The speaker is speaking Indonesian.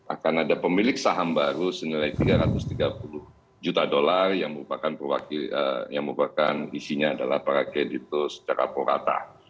akan ada pemilik saham baru senilai tiga ratus tiga puluh juta dolar yang merupakan isinya adalah para kredit itu secara porata